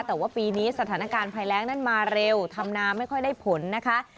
แต่ว่าปีนี้สถานการณ์ภัยแรงนั้นมาเร็วทำนาไม่ค่อยได้ผลนะคะ